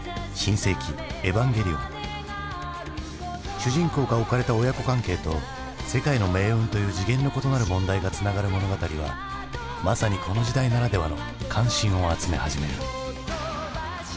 主人公が置かれた親子関係と世界の命運という次元の異なる問題がつながる物語はまさにこの時代ならではの関心を集め始める。